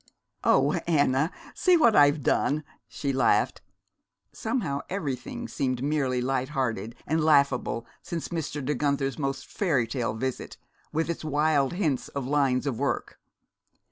"Oh, Anna, see what I've done!" she laughed. Somehow everything seemed merely light hearted and laughable since Mr. De Guenther's most fairy tale visit, with its wild hints of Lines of Work.